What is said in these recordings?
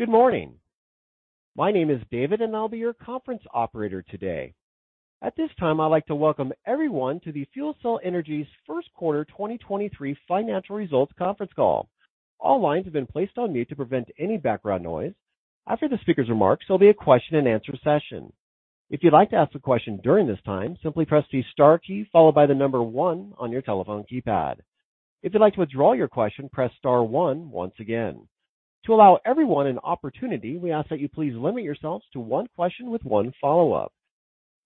Good morning. My name is David, and I'll be your conference operator today. At this time, I'd like to welcome everyone to FuelCell Energy's Q1 2023 Financial Results Conference Call. All lines have been placed on mute to prevent any background noise. After the speaker's remarks, there'll be a Q&A session. If you'd like to ask a question during this time, simply press the star key followed by 1 on your telephone keypad. If you'd like to withdraw your question, press star 1 once again. To allow everyone an opportunity, we ask that you please limit yourselves to one question with one follow-up.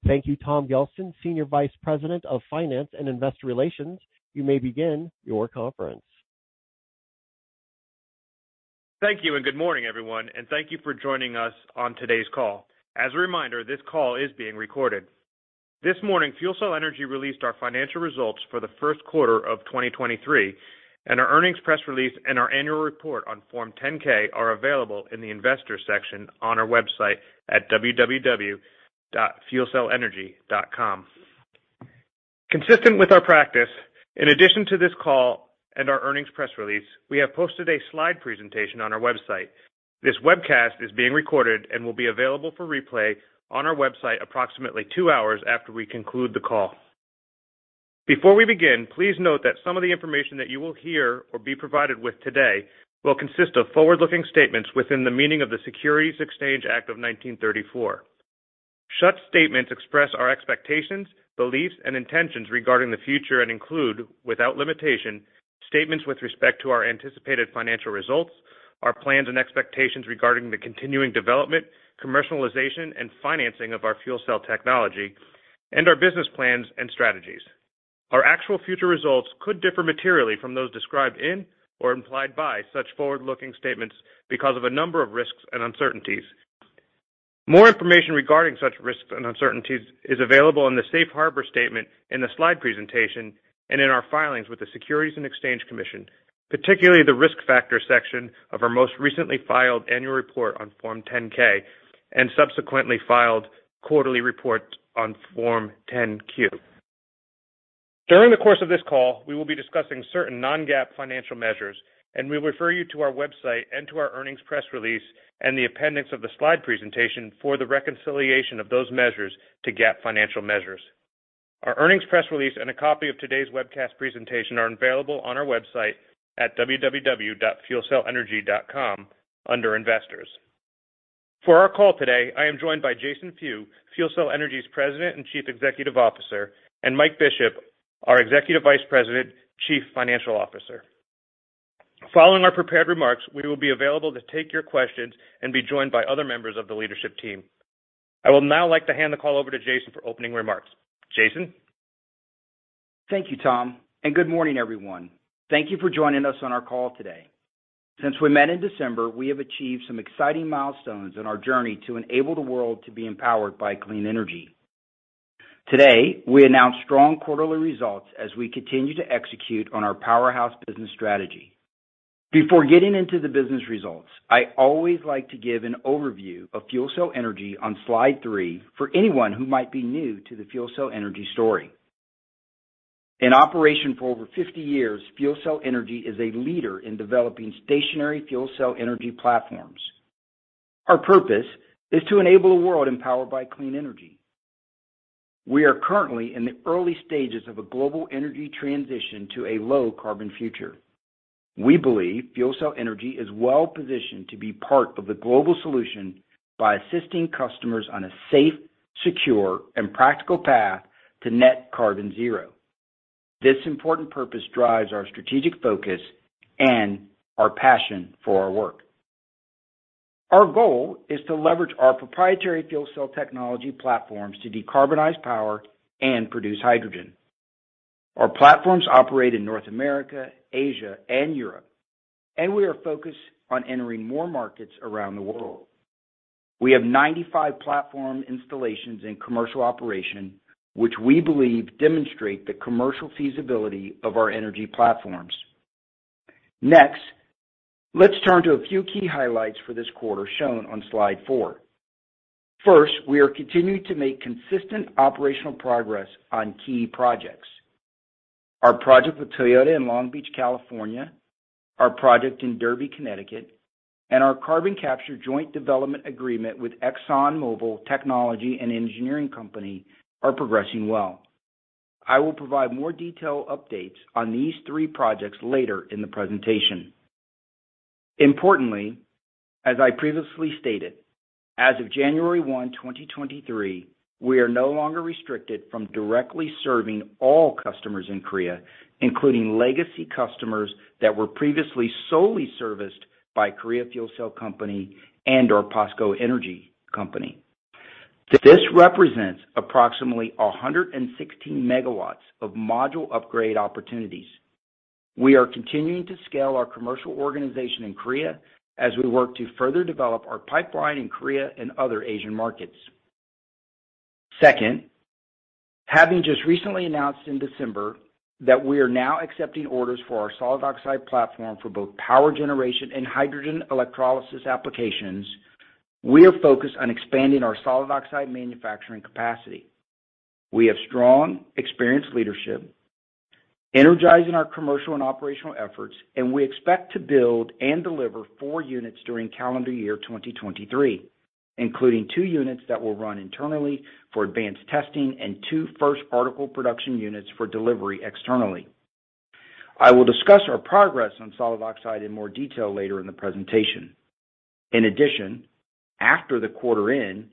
Thank you. Tom Gelston, Senior Vice President of Finance and Investor Relations, you may begin your conference. Thank you and good morning, everyone, and thank you for joining us on today's call. As a reminder, this call is being recorded. This morning, FuelCell Energy released our financial results for the Q1 of 2023, and our earnings press release and our annual report on Form 10-K are available in the investor section on our website at www.fuelcellenergy.com. Consistent with our practice, in addition to this call and our earnings press release, we have posted a slide presentation on our website. This webcast is being recorded and will be available for replay on our website approximately two hours after we conclude the call. Before we begin, please note that some of the information that you will hear or be provided with today will consist of forward-looking statements within the meaning of the Securities Exchange Act of 1934. Such statements express our expectations, beliefs, and intentions regarding the future and include, without limitation, statements with respect to our anticipated financial results, our plans and expectations regarding the continuing development, commercialization, and financing of our fuel cell technology, and our business plans and strategies. Our actual future results could differ materially from those described in or implied by such forward-looking statements because of a number of risks and uncertainties. More information regarding such risks and uncertainties is available in the safe harbor statement in the slide presentation and in our filings with the Securities and Exchange Commission, particularly the Risk Factor section of our most recently filed annual report on Form 10-K and subsequently filed quarterly report on Form 10-Q. During the course of this call, we will be discussing certain non-GAAP financial measures, we refer you to our website and to our earnings press release and the appendix of the slide presentation for the reconciliation of those measures to GAAP financial measures. Our earnings press release and a copy of today's webcast presentation are available on our website at www.fuelcellenergy.com under Investors. For our call today, I am joined by Jason Few, FuelCell Energy's President and Chief Executive Officer, and Mike Bishop, our Executive Vice President, Chief Financial Officer. Following our prepared remarks, we will be available to take your questions and be joined by other members of the leadership team. I will now like to hand the call over to Jason for opening remarks. Jason? Thank you, Tom. Good morning, everyone. Thank you for joining us on our call today. Since we met in December, we have achieved some exciting milestones in our journey to enable the world to be empowered by clean energy. Today, we announce strong quarterly results as we continue to execute on our Powerhouse business strategy. Before getting into the business results, I always like to give an overview of FuelCell Energy on slide three for anyone who might be new to the FuelCell Energy story. In operation for over 50 years, FuelCell Energy is a leader in developing stationary fuel cell energy platforms. Our purpose is to enable a world empowered by clean energy. We are currently in the early stages of a global energy transition to a low carbon future. We believe FuelCell Energy is well positioned to be part of the global solution by assisting customers on a safe, secure, and practical path to net carbon zero. This important purpose drives our strategic focus and our passion for our work. Our goal is to leverage our proprietary fuel cell technology platforms to decarbonize power and produce hydrogen. Our platforms operate in North America, Asia, and Europe, and we are focused on entering more markets around the world. We have 95 platform installations in commercial operation, which we believe demonstrate the commercial feasibility of our energy platforms. Next, let's turn to a few key highlights for this quarter shown on slide four. First, we are continuing to make consistent operational progress on key projects. Our project with Toyota in Long Beach, California, our project in Derby, Connecticut, and our carbon capture joint development agreement with ExxonMobil Technology and Engineering Company are progressing well. I will provide more detailed updates on these three projects later in the presentation. Importantly, as I previously stated, as of January 1, 2023, we are no longer restricted from directly serving all customers in Korea, including legacy customers that were previously solely serviced by Korea Fuel Cell Company and/or POSCO Energy Company. This represents approximately 116 megawatts of module upgrade opportunities. We are continuing to scale our commercial organization in Korea as we work to further develop our pipeline in Korea and other Asian markets. Second, having just recently announced in December that we are now accepting orders for our solid oxide platform for both power generation and hydrogen electrolysis applications, we are focused on expanding our solid oxide manufacturing capacity. We have strong, experienced leadership. Energizing our commercial and operational efforts, we expect to build and deliver 4 units during calendar year 2023, including two units that will run internally for advanced testing and two first article production units for delivery externally. I will discuss our progress on solid oxide in more detail later in the presentation. After the quarter end,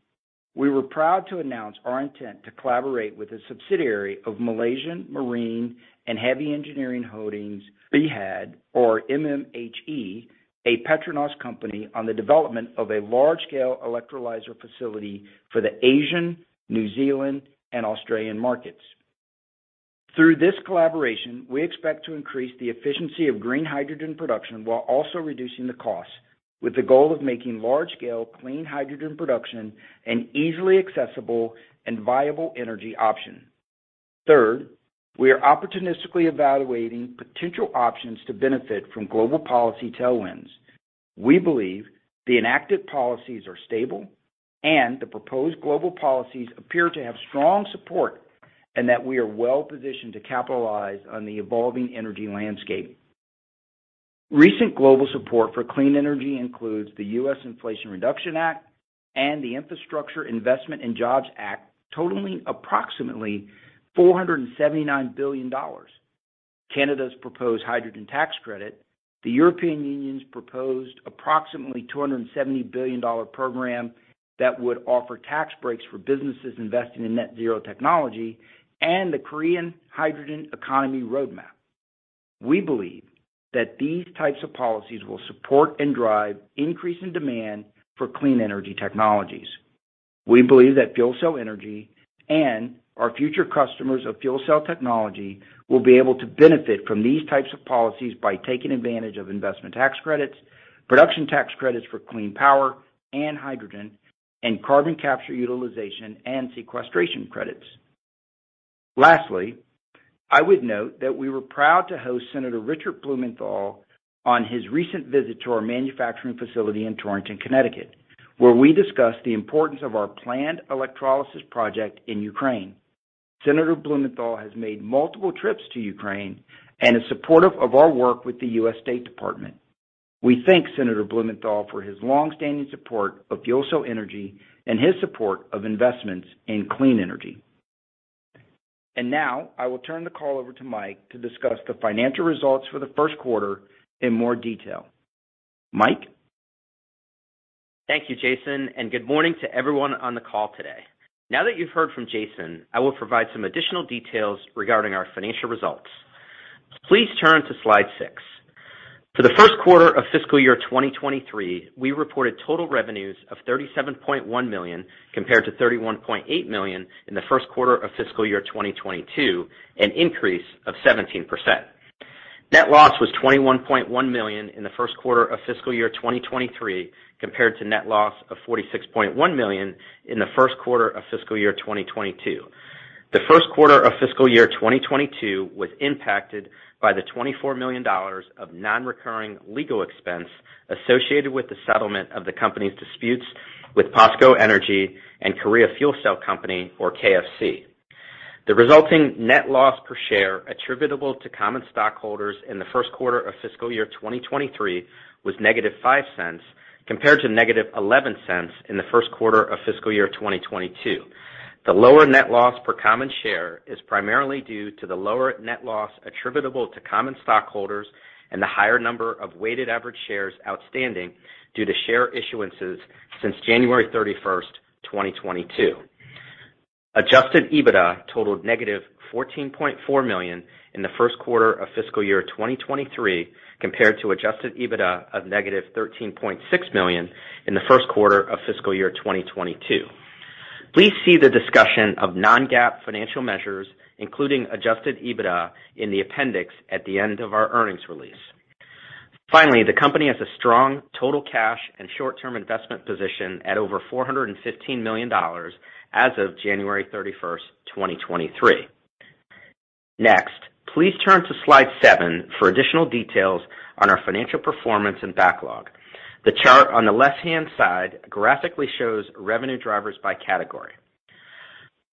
we were proud to announce our intent to collaborate with a subsidiary of Malaysia Marine and Heavy Engineering Holdings Berhad, or MMHE, a PETRONAS company, on the development of a large-scale electrolyzer facility for the Asian, New Zealand and Australian markets. Through this collaboration, we expect to increase the efficiency of green hydrogen production while also reducing the costs, with the goal of making large-scale clean hydrogen production an easily accessible and viable energy option. Third, we are opportunistically evaluating potential options to benefit from global policy tailwinds. We believe the enacted policies are stable and the proposed global policies appear to have strong support, and that we are well-positioned to capitalize on the evolving energy landscape. Recent global support for clean energy includes the U.S. Inflation Reduction Act and the Infrastructure Investment and Jobs Act, totaling approximately $479 billion. Canada's proposed hydrogen tax credit, the European Union's proposed approximately EUR 270 billion program that would offer tax breaks for businesses investing in net zero technology, and the Korean Hydrogen Economy Roadmap. We believe that these types of policies will support and drive increasing demand for clean energy technologies. We believe that FuelCell Energy and our future customers of fuel cell technology will be able to benefit from these types of policies by taking advantage of investment tax credits, production tax credits for clean power and hydrogen, and carbon capture utilization and sequestration credits. Lastly, I would note that we were proud to host Senator Richard Blumenthal on his recent visit to our manufacturing facility in Torrington, Connecticut, where we discussed the importance of our planned electrolysis project in Ukraine. Senator Blumenthal has made multiple trips to Ukraine and is supportive of our work with the US State Department. We thank Senator Blumenthal for his long-standing support of FuelCell Energy and his support of investments in clean energy. Now I will turn the call over to Mike to discuss the financial results for the Q1 in more detail. Mike? Thank you, Jason. Good morning to everyone on the call today. Now that you've heard from Jason, I will provide some additional details regarding our financial results. Please turn to slide six. For the Q1 of Fiscal Year 2023, we reported total revenues of $37.1 million compared to $31.8 million in the Q1 of Fiscal Year 2022, an increase of 17%. Net loss was $21.1 million in the Q1 of Fiscal Year 2023, compared to net loss of $46.1 million in the Q1 of Fiscal Year 2022. The Q1 of Fiscal Year 2022 was impacted by the $24 million of non-recurring legal expense associated with the settlement of the company's disputes with POSCO Energy and Korea Fuel Cell Company, or KFC. The resulting net loss per share attributable to common stockholders in the Q1 of Fiscal Year 2023 was -$0.05, compared to -$0.11 in the Q1 of Fiscal Year 2022. The lower net loss per common share is primarily due to the lower net loss attributable to common stockholders and the higher number of weighted average shares outstanding due to share issuances since January 31st, 2022. Adjusted EBITDA totaled -$14.4 million in the Q1 of Fiscal Year 2023, compared to adjusted EBITDA of -$13.6 million in the Q1 of Fiscal Year 2022. Please see the discussion of non-GAAP financial measures, including adjusted EBITDA, in the appendix at the end of our earnings release. Finally, the company has a strong total cash and short-term investment position at over $415 million as of January 31, 2023. Next, please turn to slide seven for additional details on our financial performance and backlog. The chart on the left-hand side graphically shows revenue drivers by category.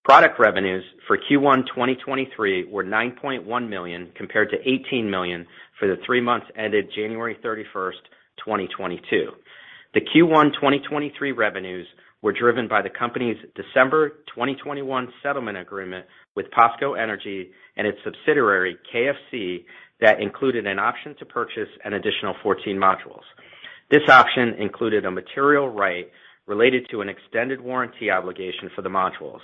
Product revenues for Q1 2023 were $9.1 million compared to $18 million for the 3 months ended January 31, 2022. The Q1 2023 revenues were driven by the company's December 2021 settlement agreement with POSCO Energy and its subsidiary, KFC, that included an option to purchase an additional 14 modules. This option included a material right related to an extended warranty obligation for the modules.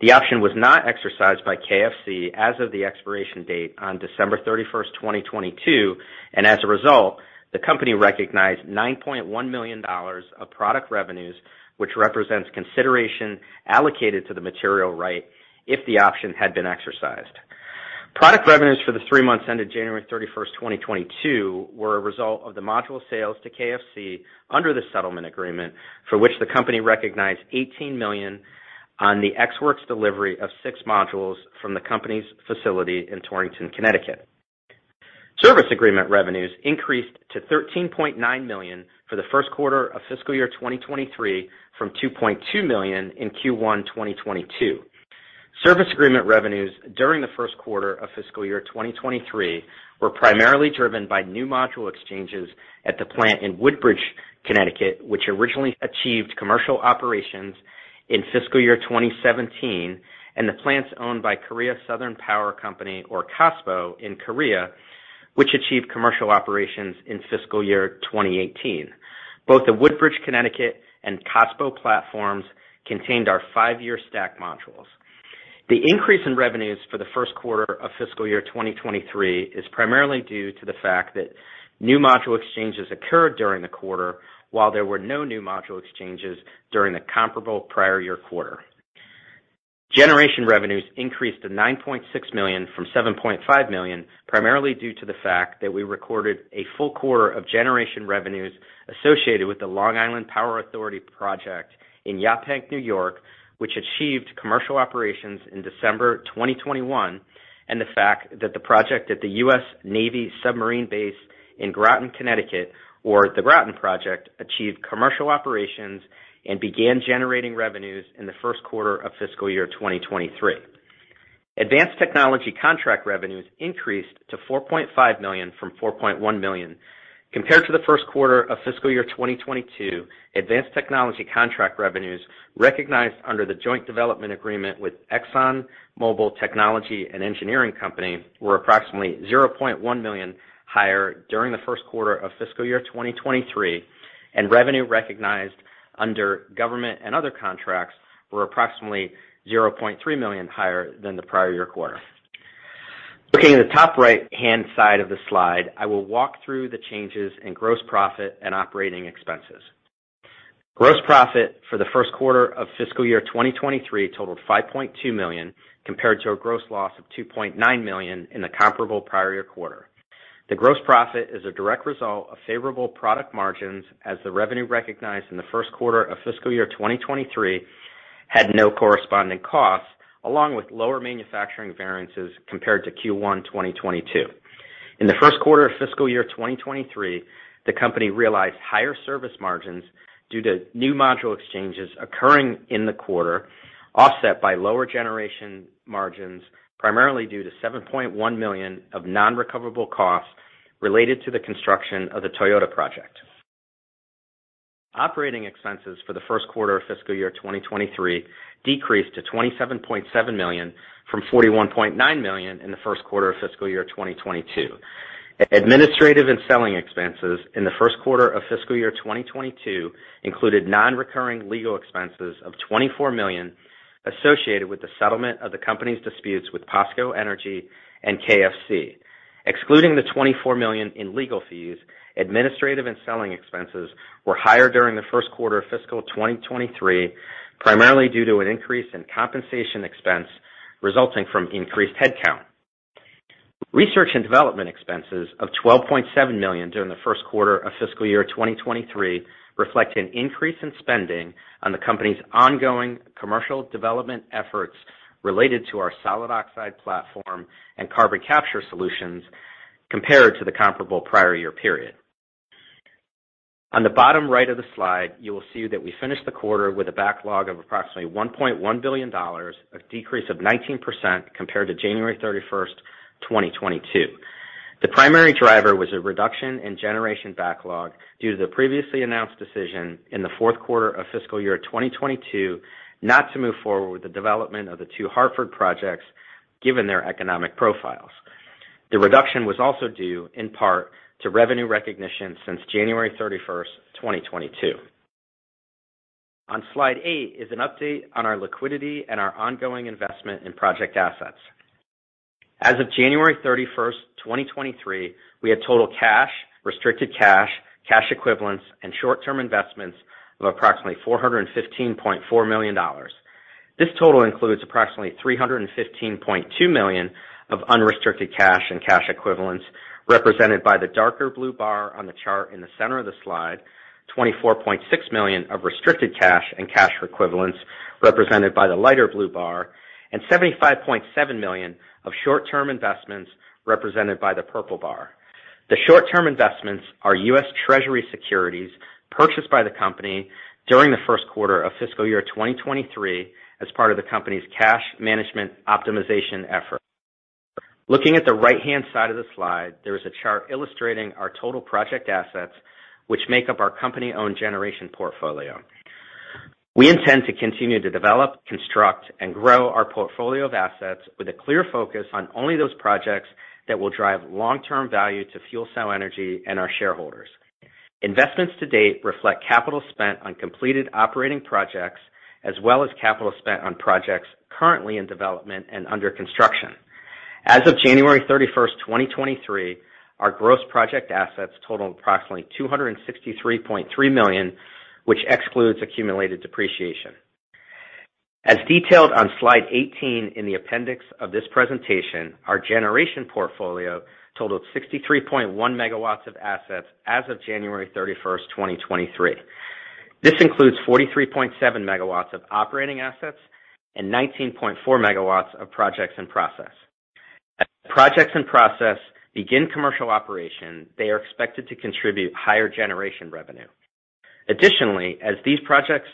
The option was not exercised by KFC as of the expiration date on December 31, 2022. As a result, the company recognized $9.1 million of product revenues, which represents consideration allocated to the material right if the option had been exercised. Product revenues for the three months ended January 31, 2022 were a result of the module sales to KFC under the settlement agreement, for which the company recognized $18 million on the Ex Works delivery of six modules from the company's facility in Torrington, Connecticut. Service agreement revenues increased to $13.9 million for the Q1 of Fiscal Year 2023, from $2.2 million in Q1 2022. Service agreement revenues during the Q1 of Fiscal Year 2023 were primarily driven by new module exchanges at the plant in Woodbridge, Connecticut, which originally achieved commercial operations in Fiscal Year 2017 and the plants owned by Korea Southern Power Company, or KOSPO, in Korea, which achieved commercial operations in Fiscal Year 2018. Both the Woodbridge, Connecticut and KOSPO platforms contained our five-year stack modules. The increase in revenues for the Q1 of Fiscal Year 2023 is primarily due to the fact that new module exchanges occurred during the quarter, while there were no new module exchanges during the comparable prior year quarter. Generation revenues increased to $9.6 million, from $7.5 million, primarily due to the fact that we recorded a full quarter of generation revenues associated with the Long Island Power Authority project in Yaphank, New York, which achieved commercial operations in December 2021, and the fact that the project at the US Navy submarine base in Groton, Connecticut, or the Groton project, achieved commercial operations and began generating revenues in the Q1 of Fiscal Year 2023. Advanced Technology contract revenues increased to $4.5 million from $4.1 million. Compared to the Q1 of Fiscal Year 2022, Advanced Technology contract revenues recognized under the joint development agreement with ExxonMobil Technology and Engineering Company were approximately $0.1 million higher during the Q1 of Fiscal Year 2023, and revenue recognized under government and other contracts were approximately $0.3 million higher than the prior year quarter. Looking at the top right-hand side of the slide, I will walk through the changes in gross profit and operating expenses. Gross profit for the Q1 of Fiscal Year 2023 totaled $5.2 million, compared to a gross loss of $2.9 million in the comparable prior year quarter. The gross profit is a direct result of favorable product margins as the revenue recognized in the Q1 of Fiscal Year 2023 had no corresponding cost, along with lower manufacturing variances compared to Q1 2022. In the Q1 of Fiscal Year 2023, the company realized higher service margins due to new module exchanges occurring in the quarter, offset by lower generation margins, primarily due to $7.1 million of non-recoverable costs related to the construction of the Toyota project. Operating expenses for the Q1 of Fiscal Year 2023 decreased to $27.7 million from $41.9 million in the Q1 of Fiscal Year 2022. Administrative and selling expenses in the Q1 of Fiscal Year 2022 included non-recurring legal expenses of $24 million associated with the settlement of the company's disputes with POSCO Energy and KFC. Excluding the $24 million in legal fees, administrative and selling expenses were higher during the Q1 of Fiscal 2023, primarily due to an increase in compensation expense resulting from increased headcount. Research and development expenses of $12.7 million during the Q1 of Fiscal Year 2023 reflect an increase in spending on the company's ongoing commercial development efforts related to our solid oxide platform and carbon capture solutions compared to the comparable prior year period. On the bottom right of the slide, you will see that we finished the quarter with a backlog of approximately $1.1 billion, a decrease of 19% compared to January 31, 2022. The primary driver was a reduction in generation backlog due to the previously announced decision in the Q4 of Fiscal Year 2022 not to move forward with the development of the two Hartford projects given their economic profiles. The reduction was also due in part to revenue recognition since January 31, 2022. On slide eight is an update on our liquidity and our ongoing investment in project assets. As of January 31, 2023, we had total cash, restricted cash equivalents, and short-term investments of approximately $415.4 million. This total includes approximately $315.2 million of unrestricted cash and cash equivalents, represented by the darker blue bar on the chart in the center of the slide, $24.6 million of restricted cash and cash equivalents, represented by the lighter blue bar, and $75.7 million of short-term investments, represented by the purple bar. The short-term investments are US Treasury securities purchased by the company during the Q1 of Fiscal Year 2023 as part of the company's cash management optimization effort. Looking at the right-hand side of the slide, there is a chart illustrating our total project assets which make up our company-owned generation portfolio. We intend to continue to develop, construct, and grow our portfolio of assets with a clear focus on only those projects that will drive long-term value to FuelCell Energy and our shareholders. Investments to date reflect capital spent on completed operating projects as well as capital spent on projects currently in development and under construction. As of January 31st, 2023, our gross project assets totaled approximately $263.3 million, which excludes accumulated depreciation. As detailed on slide 18 in the appendix of this presentation, our generation portfolio totaled 63.1 megawatts of assets as of January 31st, 2023. This includes 43.7 megawatts of operating assets and 19.4 megawatts of projects in process. As the projects in process begin commercial operation, they are expected to contribute higher generation revenue. Additionally, as these projects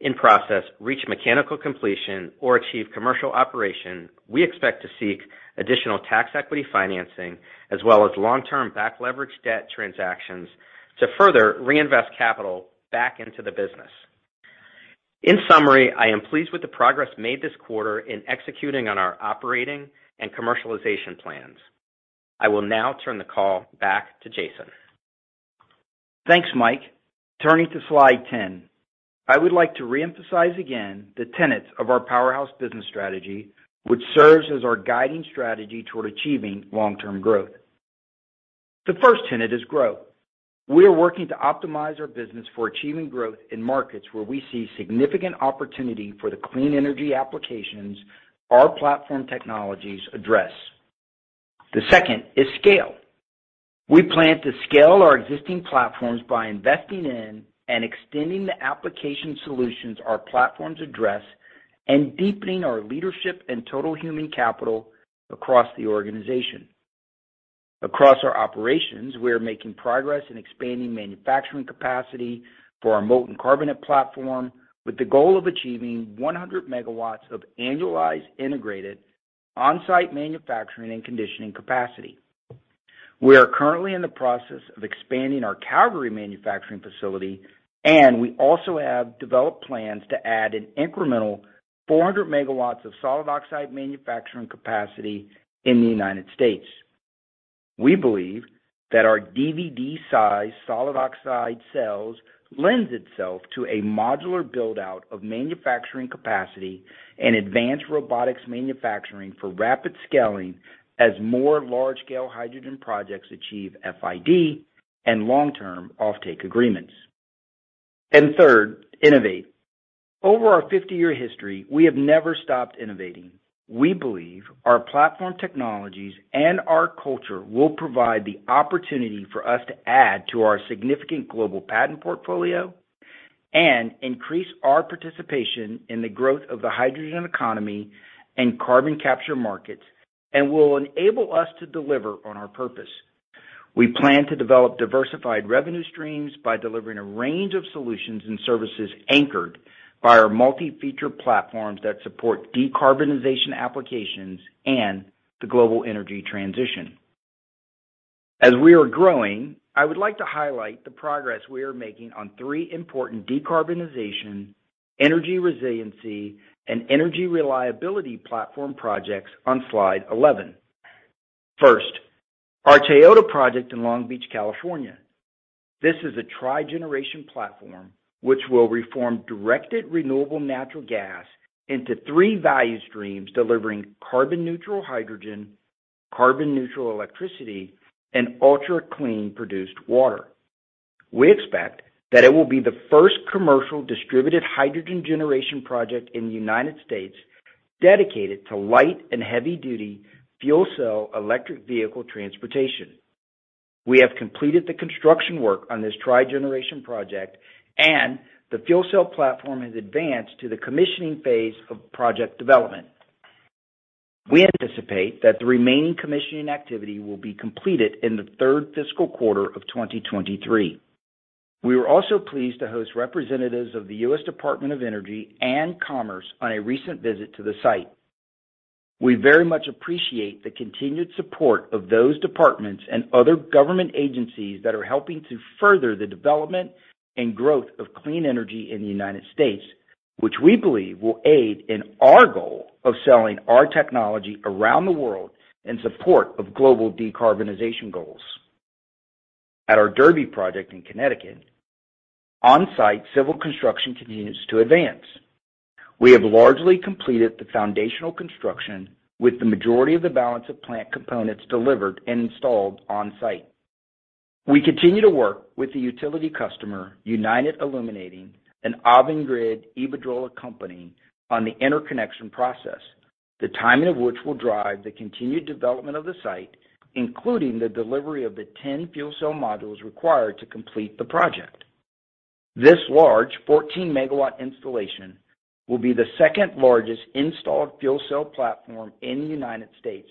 in process reach mechanical completion or achieve commercial operation, we expect to seek additional tax equity financing as well as long-term back-leveraged debt transactions to further reinvest capital back into the business. In summary, I am pleased with the progress made this quarter in executing on our operating and commercialization plans. I will now turn the call back to Jason. Thanks, Mike. Turning to slide 10. I would like to reemphasize again the tenets of our Powerhouse business strategy, which serves as our guiding strategy toward achieving long-term growth. The first tenet is growth. We are working to optimize our business for achieving growth in markets where we see significant opportunity for the clean energy applications our platform technologies address. The second is scale. We plan to scale our existing platforms by investing in and extending the application solutions our platforms address and deepening our leadership and total human capital across the organization. Across our operations, we are making progress in expanding manufacturing capacity for our molten carbonate platform, with the goal of achieving 100 megawatts of annualized, integrated, on-site manufacturing and conditioning capacity. We are currently in the process of expanding our Calgary manufacturing facility, and we also have developed plans to add an incremental 400 megawatts of solid oxide manufacturing capacity in the United States. We believe that our DVD-size solid oxide cells lends itself to a modular build-out of manufacturing capacity and advanced robotics manufacturing for rapid scaling as more large-scale hydrogen projects achieve FID and long-term offtake agreements. Third, innovate. Over our 50-year history, we have never stopped innovating. We believe our platform technologies and our culture will provide the opportunity for us to add to our significant global patent portfolio and increase our participation in the growth of the hydrogen economy and carbon capture markets and will enable us to deliver on our purpose. We plan to develop diversified revenue streams by delivering a range of solutions and services anchored by our multi-feature platforms that support decarbonization applications and the global energy transition. As we are growing, I would like to highlight the progress we are making on three important decarbonization, energy resiliency, and energy reliability platform projects on slide 11. First, our Toyota project in Long Beach, California. This is a trigeneration platform, which will reform directed renewable natural gas into three value streams delivering carbon-neutral hydrogen, carbon-neutral electricity, and ultra-clean produced water. We expect that it will be the first commercial distributed hydrogen generation project in the United States dedicated to light and heavy-duty fuel cell electric vehicle transportation. We have completed the construction work on this trigeneration project, and the fuel cell platform has advanced to the commissioning phase of project development. We anticipate that the remaining commissioning activity will be completed in the Q3 Fiscal of 2023. We were also pleased to host representatives of the U.S. Department of Energy and Commerce on a recent visit to the site. We very much appreciate the continued support of those departments and other government agencies that are helping to further the development and growth of clean energy in the United States, which we believe will aid in our goal of selling our technology around the world in support of global decarbonization goals. At our Derby project in Connecticut, on-site civil construction continues to advance. We have largely completed the foundational construction, with the majority of the balance of plant components delivered and installed on-site. We continue to work with the utility customer, United Illuminating, an Avangrid Iberdrola company, on the interconnection process, the timing of which will drive the continued development of the site, including the delivery of the 10 fuel cell modules required to complete the project. This large 14-megawatt installation will be the second-largest installed fuel cell platform in the United States,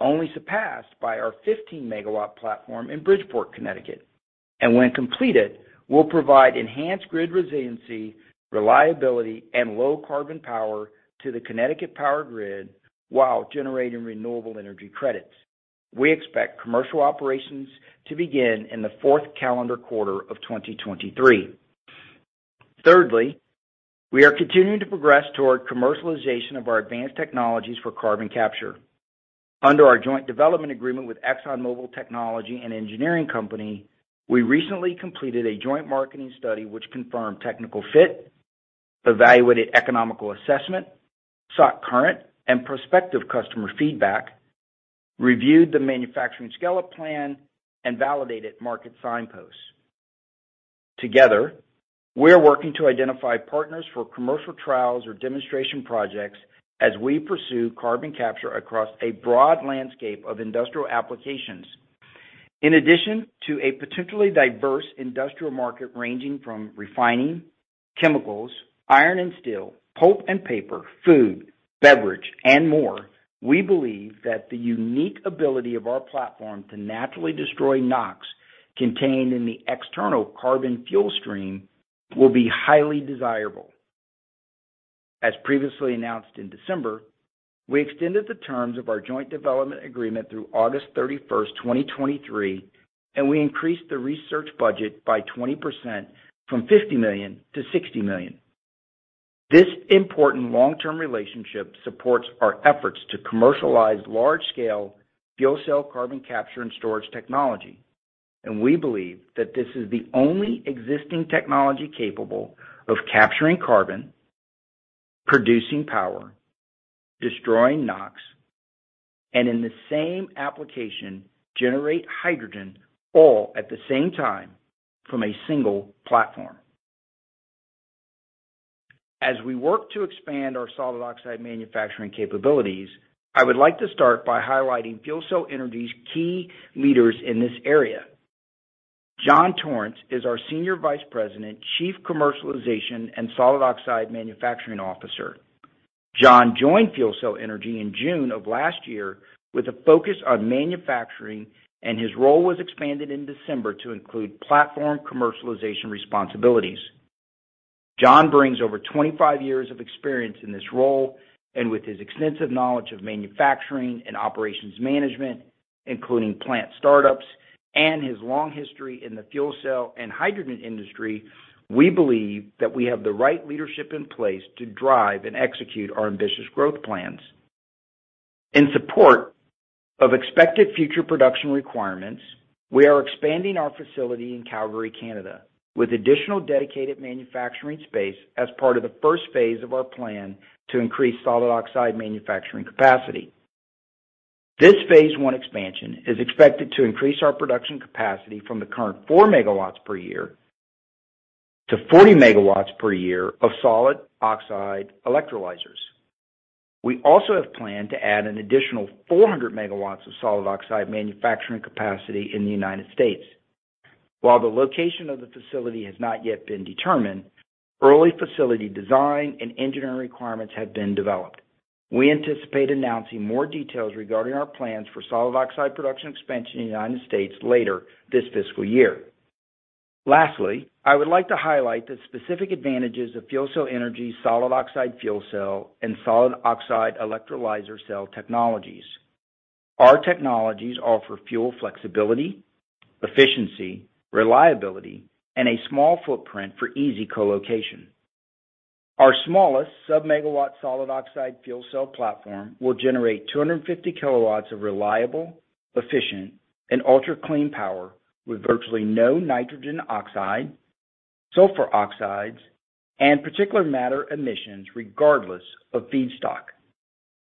only surpassed by our 15-megawatt platform in Bridgeport, Connecticut, and when completed, will provide enhanced grid resiliency, reliability, and low carbon power to the Connecticut power grid while generating renewable energy credits. We expect commercial operations to begin in the fourth calendar quarter of 2023. We are continuing to progress toward commercialization of our advanced technologies for carbon capture. Under our joint development agreement with ExxonMobil Technology and Engineering Company, we recently completed a joint marketing study which confirmed technical fit, evaluated economical assessment, sought current and prospective customer feedback, reviewed the manufacturing scale-up plan, and validated market signposts. Together, we are working to identify partners for commercial trials or demonstration projects as we pursue carbon capture across a broad landscape of industrial applications. In addition to a particularly diverse industrial market ranging from refining, chemicals, iron and steel, pulp and paper, food, beverage, and more, we believe that the unique ability of our platform to naturally destroy NOx contained in the external carbon fuel stream will be highly desirable. As previously announced in December, we extended the terms of our joint development agreement through August 31st, 2023, and we increased the research budget by 20% from $50 million to $60 million. This important long-term relationship supports our efforts to commercialize large-scale fuel cell carbon capture and storage technology. We believe that this is the only existing technology capable of capturing carbon, producing power, destroying NOx, and in the same application, generate hydrogen all at the same time from a single platform. As we work to expand our solid oxide manufacturing capabilities, I would like to start by highlighting FuelCell Energy's key leaders in this area. John Torrance is our Senior Vice President, Chief Commercialization and Solid Oxide Manufacturing Officer. John joined FuelCell Energy in June of last year with a focus on manufacturing, and his role was expanded in December to include platform commercialization responsibilities. John brings over 25 years of experience in this role and with his extensive knowledge of manufacturing and operations management, including plant startups and his long history in the fuel cell and hydrogen industry, we believe that we have the right leadership in place to drive and execute our ambitious growth plans. In support of expected future production requirements, we are expanding our facility in Calgary, Canada, with additional dedicated manufacturing space as part of the first phase of our plan to increase solid oxide manufacturing capacity. This phase one expansion is expected to increase our production capacity from the current 4 MW per year to 40 MW per year of solid oxide electrolyzers. We also have planned to add an additional 400 MW of solid oxide manufacturing capacity in the United States. While the location of the facility has not yet been determined, early facility design and engineering requirements have been developed. We anticipate announcing more details regarding our plans for solid oxide production expansion in the United States later this Fiscal Year. Lastly, I would like to highlight the specific advantages of FuelCell Energy solid oxide fuel cell and solid oxide electrolyzer cell technologies. Our technologies offer fuel flexibility, efficiency, reliability, and a small footprint for easy co-location. Our smallest sub-megawatt solid oxide fuel cell platform will generate 250 kW of reliable, efficient, and ultra-clean power with virtually no nitrogen oxide, sulfur oxides, and particulate matter emissions regardless of feedstock.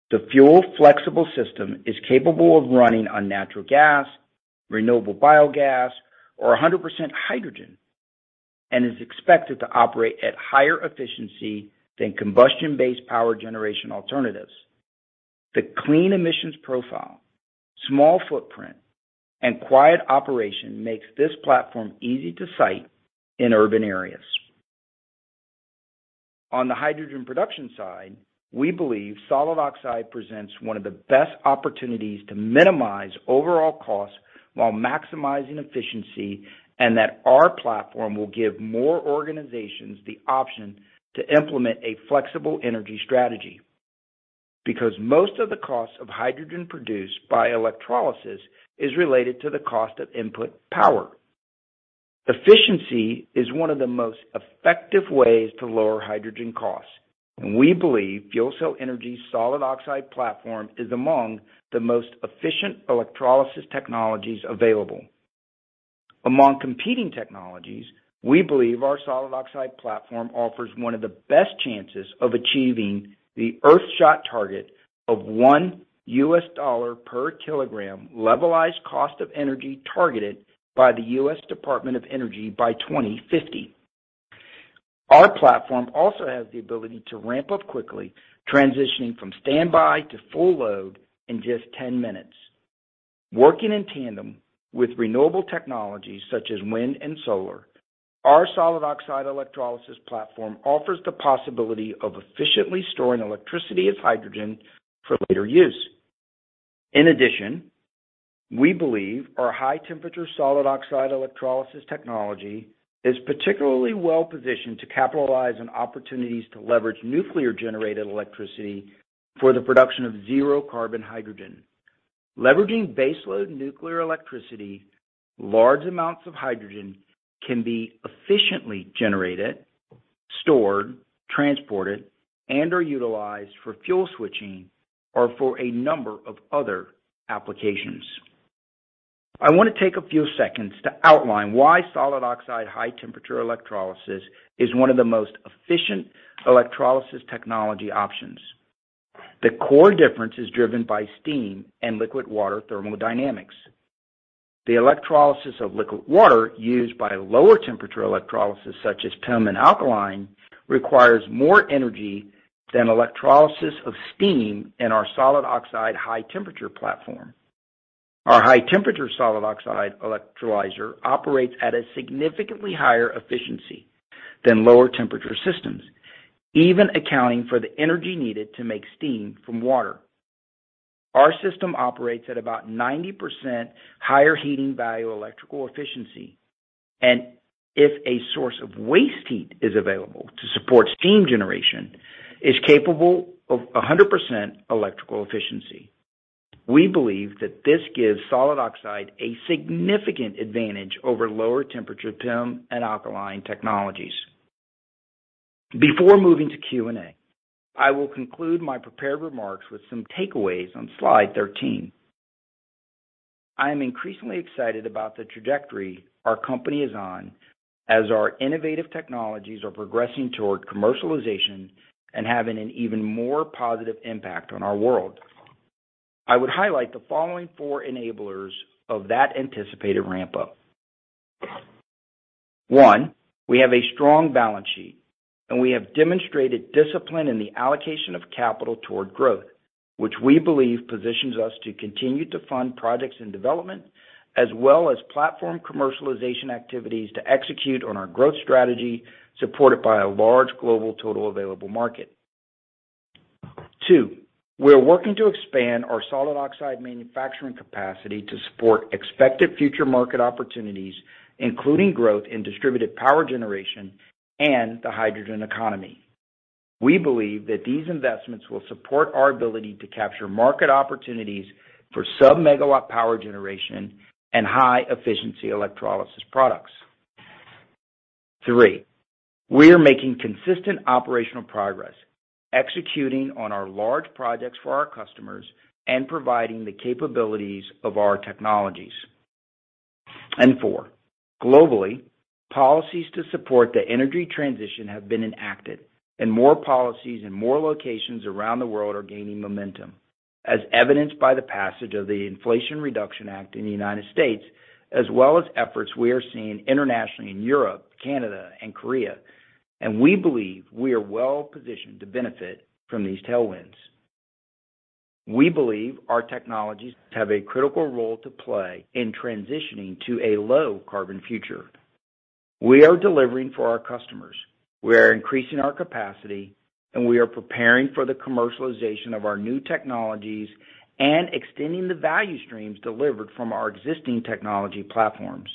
The fuel flexible system is capable of running on natural gas, renewable biogas, or 100% hydrogen and is expected to operate at higher efficiency than combustion-based power generation alternatives. The clean emissions profile, small footprint, and quiet operation makes this platform easy to site in urban areas. On the hydrogen production side, we believe solid oxide presents one of the best opportunities to minimize overall costs while maximizing efficiency and that our platform will give more organizations the option to implement a flexible energy strategy. Most of the cost of hydrogen produced by electrolysis is related to the cost of input power. Efficiency is one of the most effective ways to lower hydrogen costs, and we believe FuelCell Energy's solid oxide platform is among the most efficient electrolysis technologies available. Among competing technologies, we believe our solid oxide platform offers one of the best chances of achieving the Hydrogen Shot target of $1 per kilogram levelized cost of energy targeted by the U.S. Department of Energy by 2050. Our platform also has the ability to ramp up quickly, transitioning from standby to full load in just 10 minutes. Working in tandem with renewable technologies such as wind and solar, our solid oxide electrolysis platform offers the possibility of efficiently storing electricity as hydrogen for later use. In addition, we believe our high-temperature solid oxide electrolysis technology is particularly well-positioned to capitalize on opportunities to leverage nuclear-generated electricity for the production of zero-carbon hydrogen. Leveraging baseload nuclear electricity, large amounts of hydrogen can be efficiently generated, stored, transported, and/or utilized for fuel switching or for a number of other applications. I want to take a few seconds to outline why solid oxide high-temperature electrolysis is one of the most efficient electrolysis technology options. The core difference is driven by steam and liquid water thermodynamics. The electrolysis of liquid water used by lower temperature electrolysis, such as PEM and alkaline, requires more energy than electrolysis of steam in our solid oxide high temperature platform. Our high temperature solid oxide electrolyzer operates at a significantly higher efficiency than lower temperature systems, even accounting for the energy needed to make steam from water. Our system operates at about 90% higher heating value electrical efficiency, and if a source of waste heat is available to support steam generation, is capable of 100% electrical efficiency. We believe that this gives solid oxide a significant advantage over lower temperature PEM and alkaline technologies. Before moving to Q&A, I will conclude my prepared remarks with some takeaways on slide 13. I am increasingly excited about the trajectory our company is on as our innovative technologies are progressing toward commercialization and having an even more positive impact on our world. I would highlight the following four enablers of that anticipated ramp-up. One, we have a strong balance sheet, and we have demonstrated discipline in the allocation of capital toward growth, which we believe positions us to continue to fund projects and development as well as platform commercialization activities to execute on our growth strategy, supported by a large global total available market. Two, we are working to expand our solid oxide manufacturing capacity to support expected future market opportunities, including growth in distributed power generation and the hydrogen economy. We believe that these investments will support our ability to capture market opportunities for sub-megawatt power generation and high efficiency electrolysis products. Three, we are making consistent operational progress, executing on our large projects for our customers and providing the capabilities of our technologies. Four, globally, policies to support the energy transition have been enacted, and more policies in more locations around the world are gaining momentum, as evidenced by the passage of the Inflation Reduction Act in the United States, as well as efforts we are seeing internationally in Europe, Canada and Korea, and we believe we are well positioned to benefit from these tailwinds. We believe our technologies have a critical role to play in transitioning to a low carbon future. We are delivering for our customers. We are increasing our capacity, we are preparing for the commercialization of our new technologies and extending the value streams delivered from our existing technology platforms.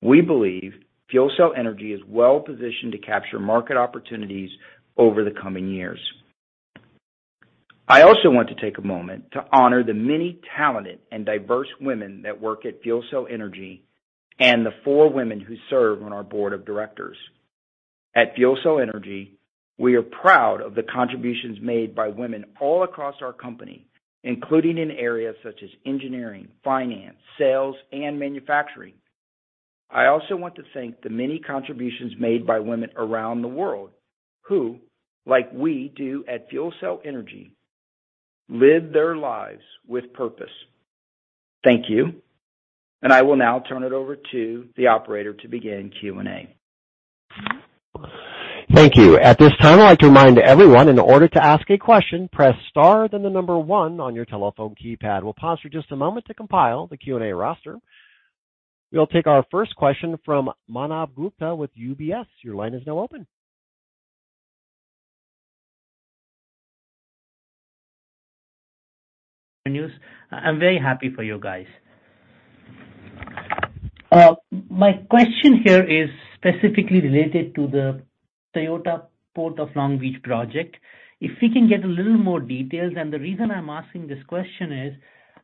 We believe FuelCell Energy is well positioned to capture market opportunities over the coming years. I also want to take a moment to honor the many talented and diverse women that work at FuelCell Energy and the four women who serve on our board of directors. At FuelCell Energy, we are proud of the contributions made by women all across our company, including in areas such as engineering, finance, sales and manufacturing. I also want to thank the many contributions made by women around the world who, like we do at FuelCell Energy, live their lives with purpose. Thank you. I will now turn it over to the operator to begin Q&A. Thank you. At this time, I'd like to remind everyone in order to ask a question, press star then the number one on your telephone keypad. We'll pause for just a moment to compile the Q&A roster. We'll take our first question from Manav Gupta with UBS. Your line is now open. News. I'm very happy for you guys. My question here is specifically related to the Toyota Port of Long Beach project. If we can get a little more details, and the reason I'm asking this question is,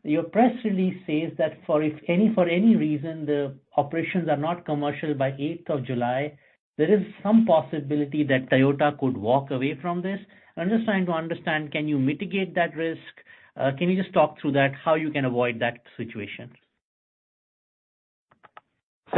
your press release says that for if any, for any reason the operations are not commercial by eighth of July, there is some possibility that Toyota could walk away from this. I'm just trying to understand. Can you mitigate that risk? Can you just talk through that, how you can avoid that situation?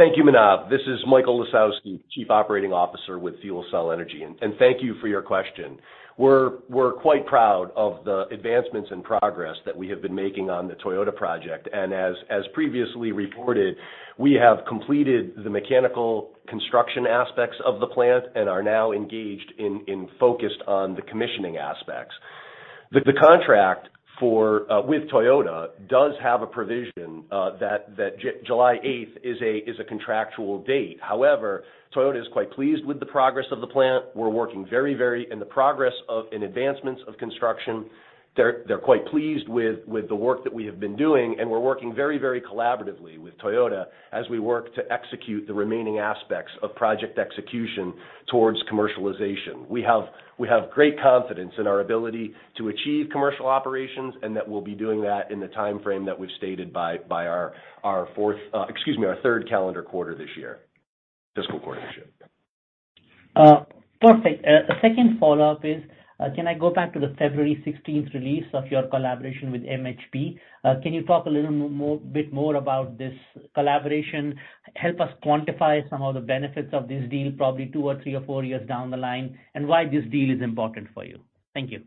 Thank you, Manav. This is Michael Lisowski, Chief Operating Officer with FuelCell Energy, and thank you for your question. We're quite proud of the advancements and progress that we have been making on the Toyota project. As previously reported, we have completed the mechanical construction aspects of the plant and are now engaged in focused on the commissioning aspects. The contract for with Toyota does have a provision that July eighth is a contractual date. Toyota is quite pleased with the progress of the plant. They're quite pleased with the work that we have been doing, and we're working very collaboratively with Toyota as we work to execute the remaining aspects of project execution towards commercialization. We have great confidence in our ability to achieve commercial operations and that we'll be doing that in the timeframe that we've stated by our 3rd calendar quarter this year, Fiscal quarter this year. Perfect. Second follow-up is, can I go back to the February 16th release of your collaboration with MMHE? Can you talk a little bit more about this collaboration? Help us quantify some of the benefits of this deal, probably two or three or four years down the line, and why this deal is important for you. Thank you.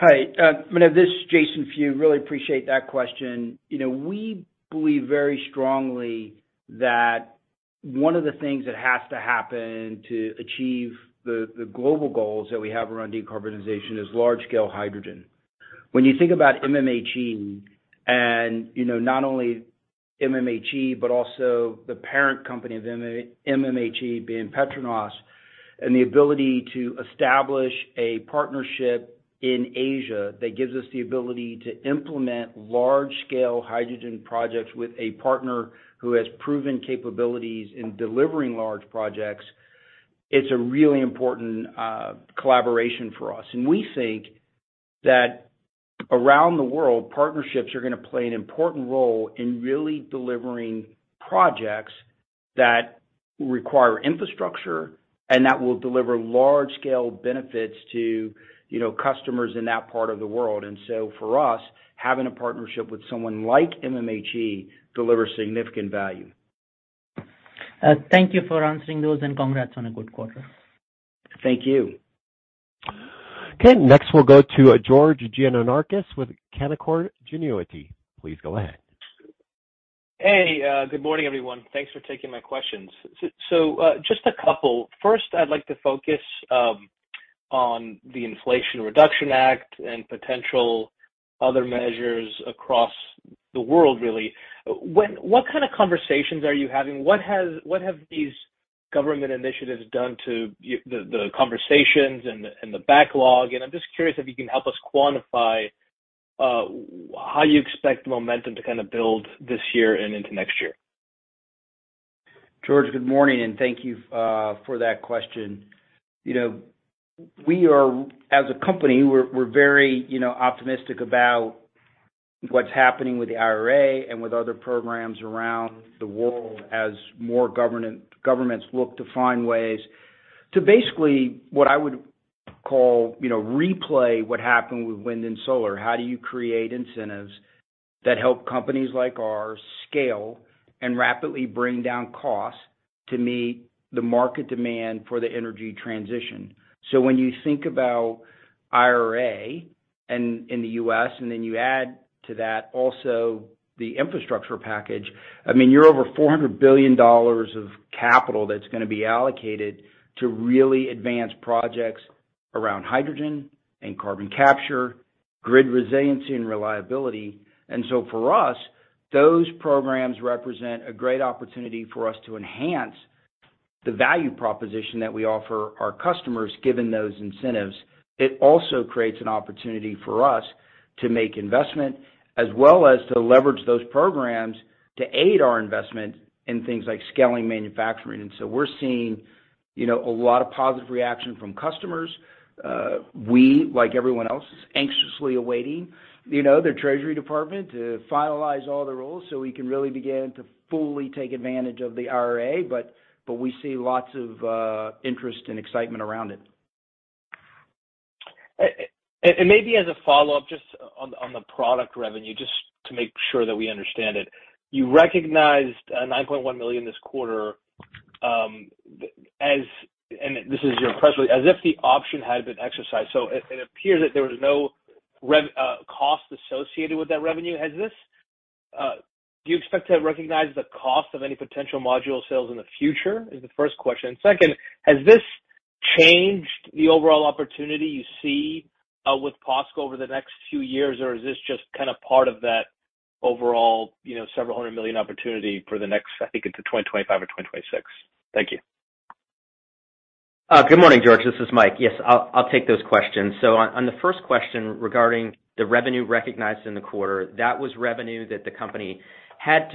Hi, Manav, this Jason Few. Really appreciate that question. You know, we believe very strongly that one of the things that has to happen to achieve the global goals that we have around decarbonization is large scale hydrogen. When you think about MMHE and, you know, not only MMHE, but also the parent company of MMHE being PETRONAS, and the ability to establish a partnership in Asia that gives us the ability to implement large scale hydrogen projects with a partner who has proven capabilities in delivering large projects, it's a really important collaboration for us. We think that around the world, partnerships are going to play an important role in really delivering projects that require infrastructure and that will deliver large scale benefits to, you know, customers in that part of the world. For us, having a partnership with someone like MMHE delivers significant value. Thank you for answering those and congrats on a good quarter. Thank you. Next we'll go to George Gianarikas with Canaccord Genuity. Please go ahead. Hey, good morning, everyone. Thanks for taking my questions. Just a couple. First, I'd like to focus on the Inflation Reduction Act and potential other measures across the world really. What kind of conversations are you having? What have these government initiatives done to the conversations and the backlog? I'm just curious if you can help us quantify how you expect momentum to kind of build this year and into next year. George, good morning, and thank you, for that question. You know, as a company, we're very, you know, optimistic about what's happening with the IRA and with other programs around the world as more governments look to find ways to basically, what I would call, you know, replay what happened with wind and solar. How do you create incentives that help companies like ours scale and rapidly bring down costs to meet the market demand for the energy transition? When you think about IRA and in the U.S., and then you add to that also the infrastructure package, I mean, you're over $400 billion of capital that's gonna be allocated to really advance projects around hydrogen and carbon capture, grid resiliency and reliability. For us, those programs represent a great opportunity for us to enhance the value proposition that we offer our customers, given those incentives. It also creates an opportunity for us to make investment as well as to leverage those programs to aid our investment in things like scaling manufacturing. We're seeing, you know, a lot of positive reaction from customers. We, like everyone else, is anxiously awaiting, you know, the Treasury Department to finalize all the rules so we can really begin to fully take advantage of the IRA, but we see lots of interest and excitement around it. Maybe as a follow-up, just on the product revenue, just to make sure that we understand it. You recognized $9.1 million this quarter, this is your press release, as if the option had been exercised. It appears that there was no cost associated with that revenue. Has this, do you expect to recognize the cost of any potential module sales in the future? Is the first question. Second, has this changed the overall opportunity you see with POSCO over the next few years, or is this just kind of part of that overall, you know, $several hundred million opportunity for the next, I think, into 2025 or 2026? Thank you. Good morning, George. This is Mike. Yes, I'll take those questions. On the first question regarding the revenue recognized in the quarter, that was revenue that the company had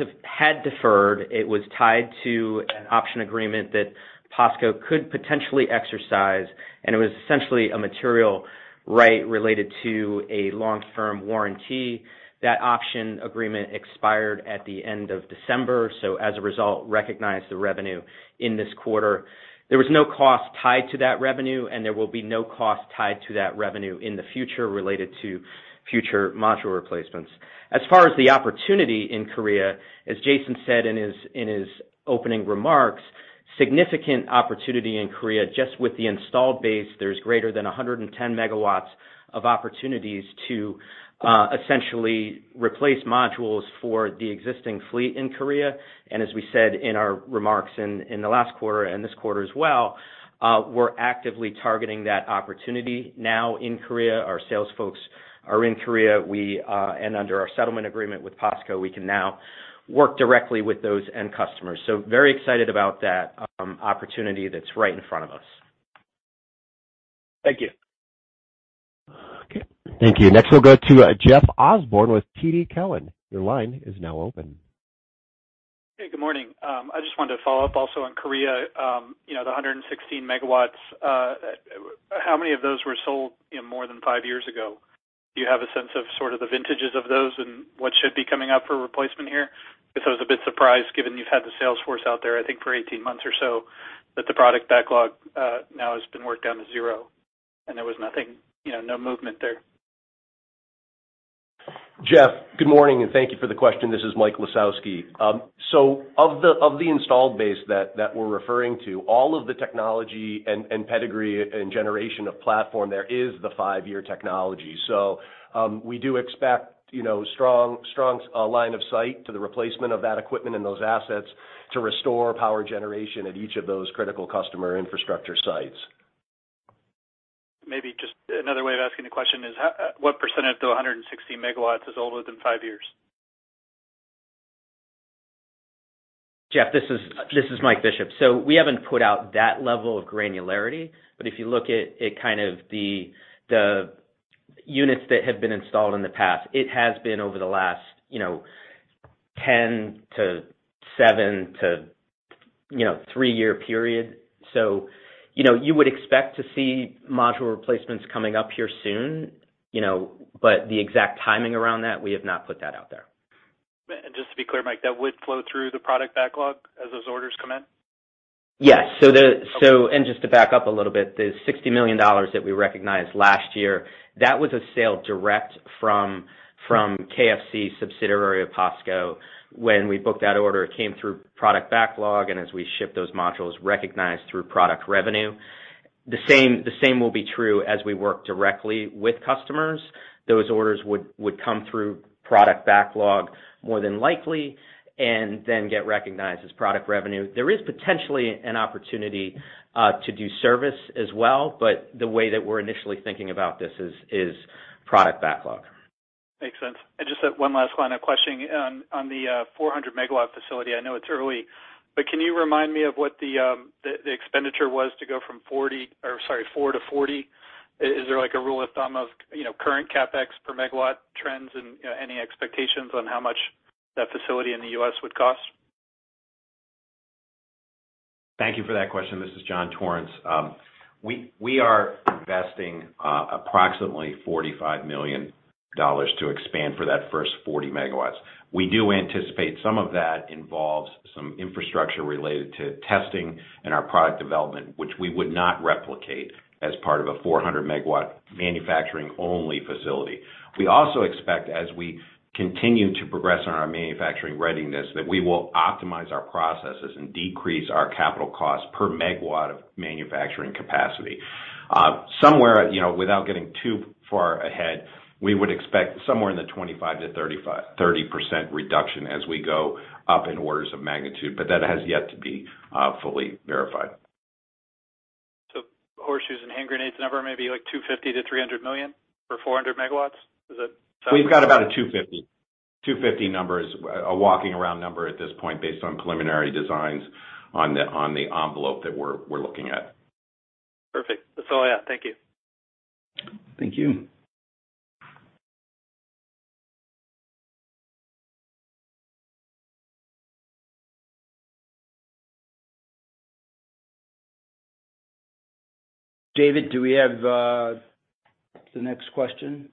deferred. It was tied to an option agreement that POSCO could potentially exercise, and it was essentially a material right related to a long-term warranty. That option agreement expired at the end of December, as a result, recognized the revenue in this quarter. There was no cost tied to that revenue, and there will be no cost tied to that revenue in the future related to future module replacements. As far as the opportunity in Korea, as Jason said in his opening remarks, significant opportunity in Korea, just with the installed base, there's greater than 110 megawatts of opportunities to essentially replace modules for the existing fleet in Korea. As we said in our remarks in the last quarter and this quarter as well, we're actively targeting that opportunity now in Korea. Our sales folks are in Korea. We and under our settlement agreement with POSCO, we can now work directly with those end customers. Very excited about that opportunity that's right in front of us. Thank you. Okay. Thank you. Next we'll go to Jeff Osborne with TD Cowen. Your line is now open. Hey, good morning. I just wanted to follow up also on Korea. you know, the 116 megawatts, how many of those were sold, you know, more than five years ago? Do you have a sense of sort of the vintages of those and what should be coming up for replacement here? Because I was a bit surprised given you've had the sales force out there, I think for 18 months or so, that the product backlog, now has been worked down to 0 and there was nothing, you know, no movement there. Jeff, good morning, and thank you for the question. This is Michael Lisowski. Of the installed base that we're referring to, all of the technology and pedigree and generation of platform there is the five-year technology. We do expect, you know, strong line of sight to the replacement of that equipment and those assets to restore power generation at each of those critical customer infrastructure sites. Maybe just another way of asking the question is how, what percentage of the 160 megawatts is older than five years? Jeff, this is Mike Bishop. We haven't put out that level of granularity, but if you look at it, kind of the units that have been installed in the past, it has been over the last, you know, 10 to 7 to, you know, three-year period. You know, you would expect to see module replacements coming up here soon, you know, but the exact timing around that, we have not put that out there. Just to be clear, Mike, that would flow through the product backlog as those orders come in? Yes. Just to back up a little bit, the $60 million that we recognized last year, that was a sale direct from KFC subsidiary of POSCO. When we booked that order, it came through product backlog, and as we ship those modules, recognized through product revenue. The same will be true as we work directly with customers. Those orders would come through product backlog more than likely and then get recognized as product revenue. There is potentially an opportunity to do service as well, but the way that we're initially thinking about this is product backlog. Makes sense. Just one last line of questioning. On the 400 megawatt facility, I know it's early, but can you remind me of what the expenditure was to go from 40 or sorry, 4 to 40? Is there like a rule of thumb of, you know, current CapEx per megawatt trends and any expectations on how much that facility in the US would cost? Thank you for that question. This is John Torrance. We are investing approximately $45 million to expand for that first 40 megawatts. We do anticipate some of that involves some infrastructure related to testing and our product development, which we would not replicate as part of a 400 megawatt manufacturing-only facility. We also expect, as we continue to progress on our manufacturing readiness, that we will optimize our processes and decrease our capital costs per megawatt of manufacturing capacity. Somewhere, you know, without getting too far ahead, we would expect somewhere in the 25% to 30% reduction as we go up in orders of magnitude, but that has yet to be fully verified. Horseshoes and hand grenades number may be like $250 million-$300 million for 400 megawatts? Is that- We've got about a 250. 250 number is a walking around number at this point based on preliminary designs on the envelope that we're looking at. Perfect. That's all I have. Thank you. Thank you. David, do we have, the next question?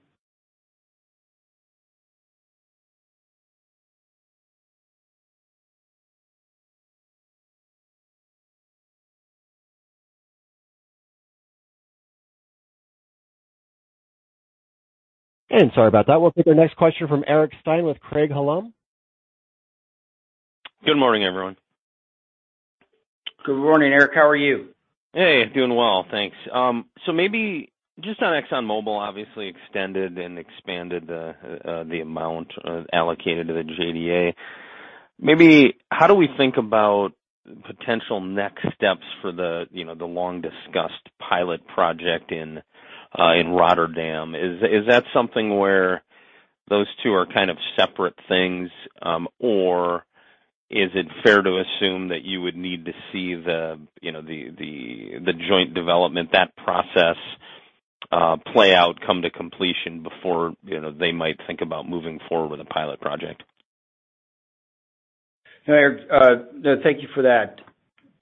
Sorry about that. We'll take our next question from Eric Stine with Craig-Hallum. Good morning, everyone. Good morning, Eric. How are you? Hey, doing well, thanks. Maybe just on ExxonMobil obviously extended and expanded the amount allocated to the JDA. Maybe how do we think about potential next steps for the, you know, the long-discussed pilot project in Rotterdam? Is that something where those two are kind of separate things, or is it fair to assume that you would need to see the, you know, the joint development, that process, play out, come to completion before, you know, they might think about moving forward with a pilot project? Eric, thank you for that.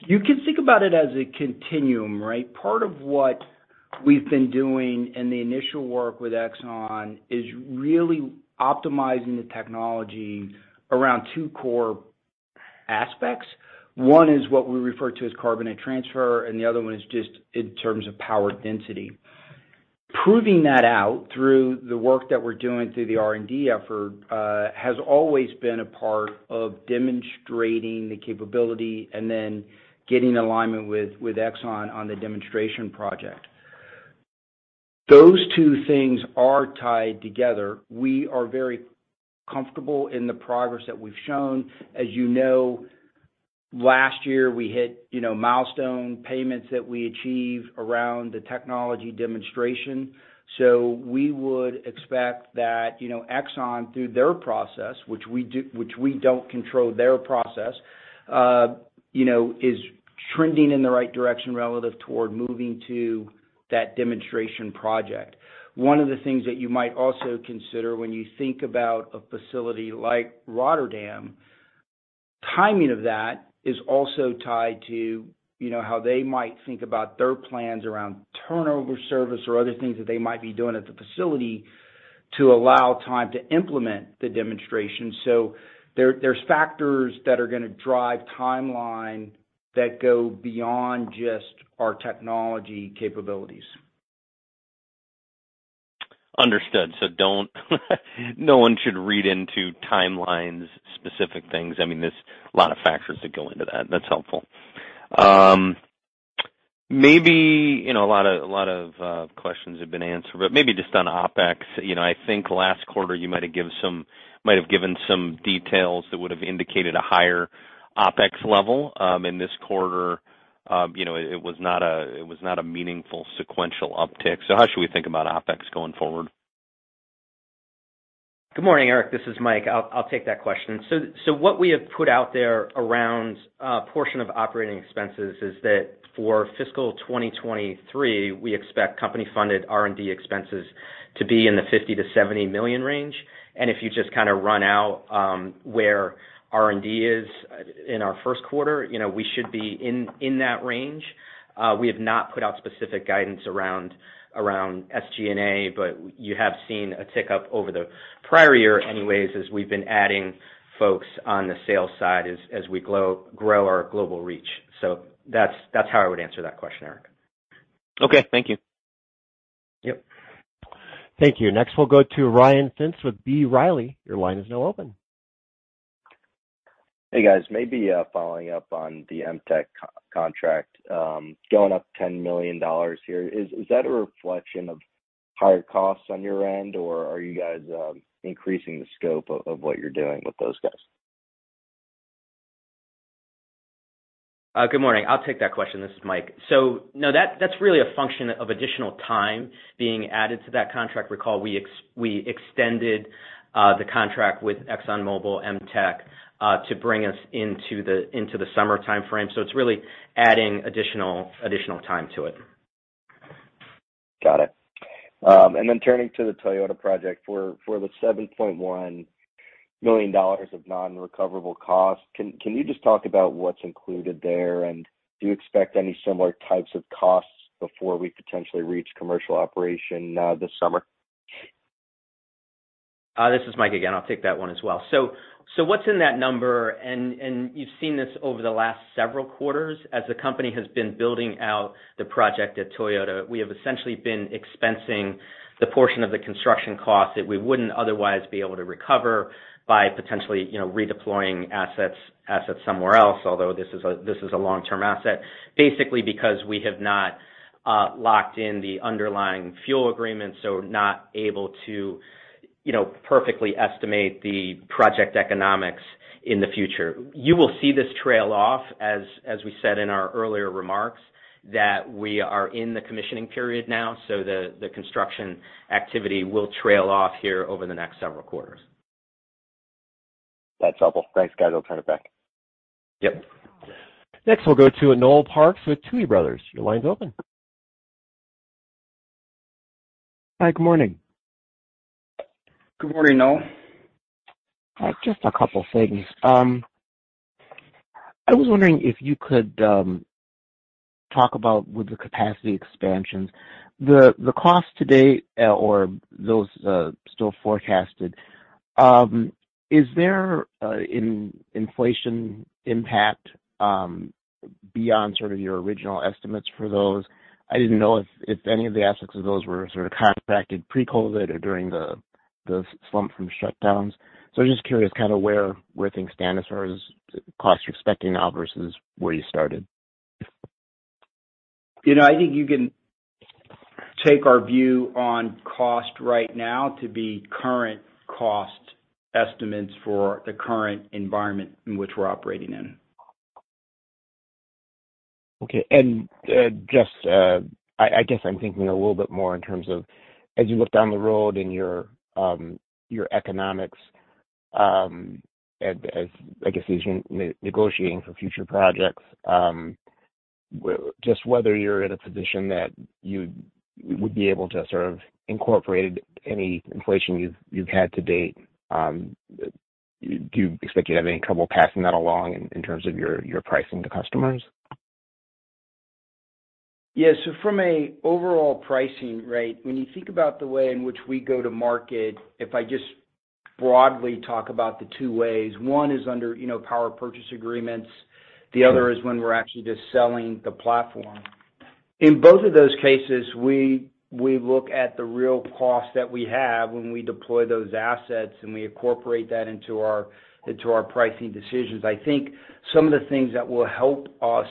You can think about it as a continuum, right? Part of what we've been doing in the initial work with ExxonMobil is really optimizing the technology around two core aspects. One is what we refer to as carbonate transfer, and the other one is just in terms of power density. Proving that out through the work that we're doing through the R&D effort, has always been a part of demonstrating the capability and then getting alignment with ExxonMobil on the demonstration project. Those two things are tied together. We are very comfortable in the progress that we've shown. As you know, last year we hit, you know, milestone payments that we achieved around the technology demonstration. We would expect that, you know, ExxonMobil, through their process, which we don't control their process, you know, is trending in the right direction relative toward moving to that demonstration project. One of the things that you might also consider when you think about a facility like Rotterdam, timing of that is also tied to, you know, how they might think about their plans around turnover service or other things that they might be doing at the facility to allow time to implement the demonstration. There's factors that are gonna drive timeline That go beyond just our technology capabilities. Understood. Don't no one should read into timelines, specific things. I mean, there's a lot of factors that go into that. That's helpful. Maybe, you know, a lot of questions have been answered, but maybe just on OpEx. You know, I think last quarter you might have given some details that would have indicated a higher OpEx level in this quarter. You know, it was not a meaningful sequential uptick. How should we think about OpEx going forward? Good morning, Eric, this is Mike. I'll take that question. What we have put out there around portion of operating expenses is that for Fiscal 2023, we expect company-funded R&D expenses to be in the $50 million-$70 million range. If you just kind of run out where R&D is in our Q1, you know, we should be in that range. We have not put out specific guidance around SG&A, but you have seen a tick up over the prior year anyways, as we've been adding folks on the sales side as we grow our global reach. That's how I would answer that question, Eric. Okay, thank you. Yep. Thank you. Next we'll go to Ryan Pfingst with B. Riley Securities. Your line is now open. Hey, guys. Maybe, following up on the EMTEC contract, going up $10 million here. Is that a reflection of higher costs on your end, or are you guys increasing the scope of what you're doing with those guys? Good morning. I'll take that question. This is Mike. No, that's really a function of additional time being added to that contract. Recall we extended the contract with ExxonMobil EMTEC to bring us into the summer timeframe. It's really adding additional time to it. Got it. Turning to the Toyota project, for the $7.1 million of non-recoverable costs, can you just talk about what's included there, and do you expect any similar types of costs before we potentially reach commercial operation this summer? This is Mike again. I'll take that one as well. What's in that number, and you've seen this over the last several quarters as the company has been building out the project at Toyota. We have essentially been expensing the portion of the construction cost that we wouldn't otherwise be able to recover by potentially, you know, redeploying assets somewhere else, although this is a long-term asset, basically because we have not locked in the underlying fuel agreement, so not able to, you know, perfectly estimate the project economics in the future. You will see this trail off, as we said in our earlier remarks, that we are in the commissioning period now. The construction activity will trail off here over the next several quarters. That's helpful. Thanks, guys. I'll turn it back. Yep. Next, we'll go to Noel Parks with Tuohy Brothers. Your line's open. Hi, good morning. Good morning, Noel. Just a couple of things. I was wondering if you could talk about with the capacity expansions, the cost to date or those still forecasted, is there an inflation impact beyond sort of your original estimates for those? I didn't know if any of the assets of those were sort of contracted pre-COVID or during the slump from shutdowns. I'm just curious kind of where things stand as far as the cost you're expecting now versus where you started. You know, I think you can take our view on cost right now to be current cost estimates for the current environment in which we're operating in. Okay. Just, I guess I'm thinking a little bit more in terms of as you look down the road and your economics, as, I guess as you're negotiating for future projects, just whether you're in a position that you would be able to sort of incorporate any inflation you've had to date. Do you expect you'd have any trouble passing that along in terms of your pricing to customers? Yeah. From an overall pricing rate, when you think about the way in which we go to market, if I just broadly talk about the two ways, one is under, you know, power purchase agreements, the other is when we're actually just selling the platform. In both of those cases, we look at the real cost that we have when we deploy those assets, and we incorporate that into our pricing decisions. I think some of the things that will help us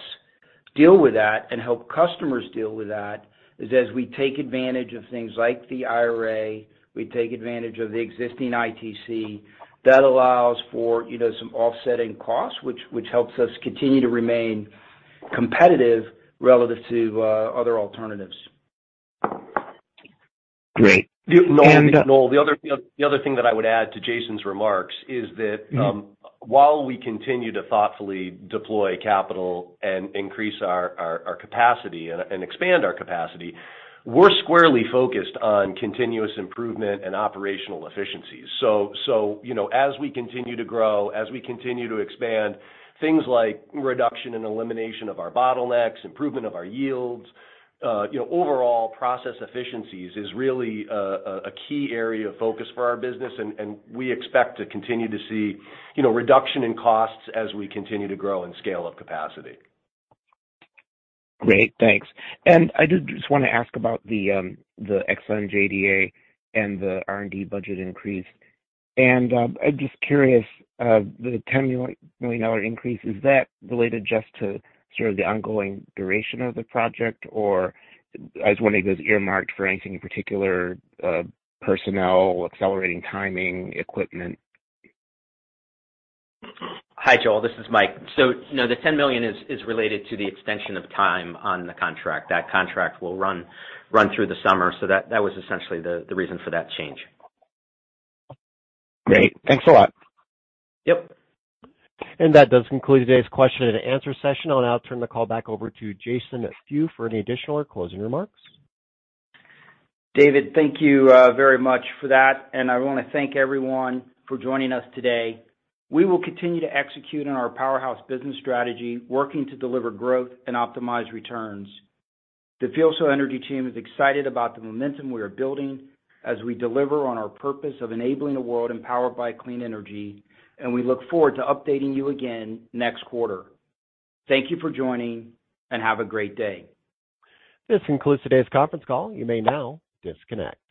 deal with that and help customers deal with that is as we take advantage of things like the IRA, we take advantage of the existing ITC. That allows for, you know, some offsetting costs, which helps us continue to remain competitive relative to other alternatives. Great. Noel, the other thing that I would add to Jason's remarks is that. Mm-hmm while we continue to thoughtfully deploy capital and increase our capacity and expand our capacity, we're squarely focused on continuous improvement and operational efficiencies. you know, as we continue to grow, as we continue to expand, things like reduction and elimination of our bottlenecks, improvement of our yields, you know, overall process efficiencies is really a key area of focus for our business. We expect to continue to see, you know, reduction in costs as we continue to grow and scale up capacity. Great. Thanks. And I did just want to ask about the ExxonMobil JDA and the R&D budget increase. I'm just curious, the $10 million increase, is that related just to sort of the ongoing duration of the project or I was wondering if it was earmarked for anything in particular, personnel, accelerating timing, equipment? Hi, Noel, this is Mike. No, the $10 million is related to the extension of time on the contract. That contract will run through the summer. That was essentially the reason for that change. Great. Thanks a lot. Yep. That does conclude today's Q&A session. I'll now turn the call back over to Jason Few for any additional or closing remarks. David, thank you very much for that. I wanna thank everyone for joining us today. We will continue to execute on our Powerhouse business strategy, working to deliver growth and optimize returns. The FuelCell Energy team is excited about the momentum we are building as we deliver on our purpose of enabling a world empowered by clean energy, and we look forward to updating you again next quarter. Thank you for joining, and have a great day. This concludes today's conference call. You may now disconnect.